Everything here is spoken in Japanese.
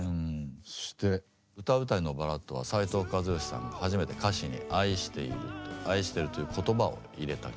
そして「歌うたいのバラッド」は斉藤和義さんが初めて歌詞に愛していると「愛してる」という言葉を入れた曲。